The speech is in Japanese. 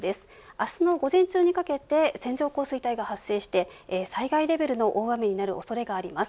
明日の午前中にかけて線状降水帯が発生して災害レベルの大雨になる恐れがあります。